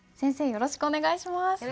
よろしくお願いします。